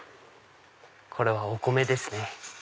これはお米ですね